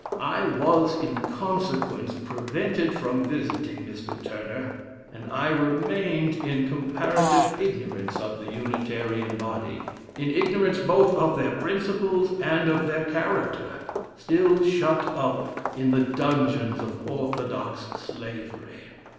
I was in consequence prevented from visiting Mr. Turner, and I remained in comparative ignorance of the Unitarian body, in ignorance both of their principles and of their character, still shut up in the dungeons of orthodox slavery."